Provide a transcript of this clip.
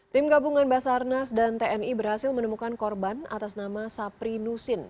tim gabungan basarnas dan tni berhasil menemukan korban atas nama sapri nusin